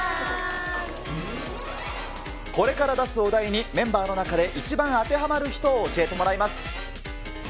これから出すお題に、メンバーの中で一番当てはまる人を教えてもらいます。